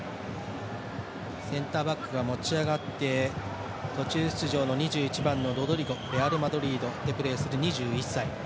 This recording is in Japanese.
センターバックが持ち上がって途中出場の２１番のロドリゴレアルマドリードでプレーする２１歳。